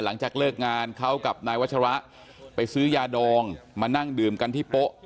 หลังจากเลิกงานเขากับนายวัชระไปซื้อยาดองมานั่งดื่มกันที่โป๊ะ